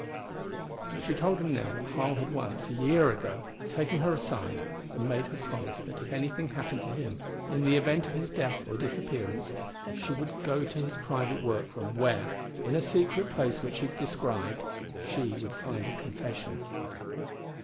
She told him now that Harl had once, a year ago, taken her aside and made her promise that if anything happened to him in the event of his death or disappearance she would go to his private work room, where, in a secret place which he described, she would find a confession.